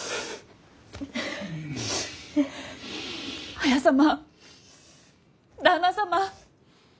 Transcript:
綾様旦那様。